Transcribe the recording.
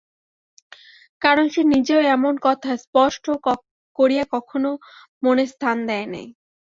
কারণ, সে নিজেও এমন কথা স্পষ্ট করিয়া কখনো মনে স্থান দেয় নাই।